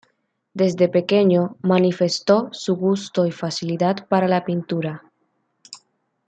Desde pequeño manifestó su gusto y facilidad para la pintura.